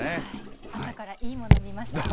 朝からいいもの、見ました。